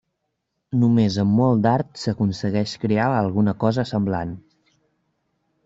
Només amb molt d'art s'aconsegueix crear alguna cosa semblant.